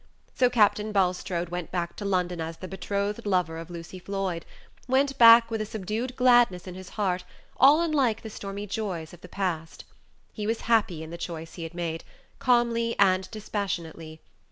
So Captain Bulstrode went back to London as the betrothed lover of Lucy Floyd went back with a subdued gladness in his heart all unlike the stormy joys of the past. He was happy in the choice he had made, calmly and dispassionately.